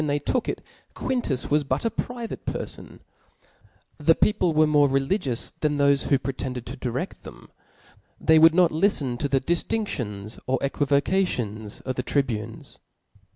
175 they took it, Qliintus wis but ^ private perfon : Booc the people: were more religious than thofe whochap.n* pretended to* direft them ; they would not liften to the diftinftions or equivocations of the tri bunes..